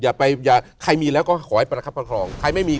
ใครมีแล้วก็ขอให้ประครับประครอง